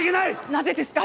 なぜですか？